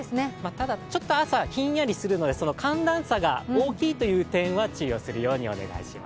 ただ朝、ひんやりするので寒暖差が大きいという点は注意をお願いします。